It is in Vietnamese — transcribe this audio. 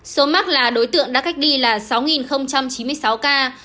số mắc là đối tượng đã cách ly là sáu chín mươi sáu ca